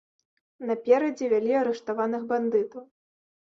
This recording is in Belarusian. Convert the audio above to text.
Наперадзе вялі арыштаваных бандытаў.